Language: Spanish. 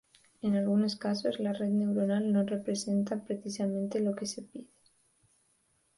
En algunos casos la red neuronal no representa precisamente lo que se le pide.